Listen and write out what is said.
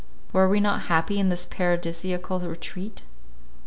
Were we not happy in this paradisiacal retreat?